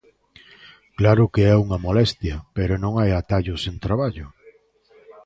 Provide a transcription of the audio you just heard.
Claro que é unha molestia, pero non hai atallo sen traballo.